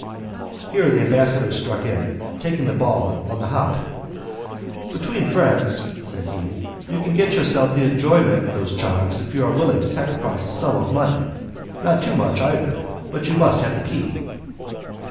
Here the ambassador struck in, taking the ball on the hop: "Between friends," said he, "you can get yourself the enjoyment of those charms, if you are willing to sacrifice a sum of money not too much, either, but you must have the key."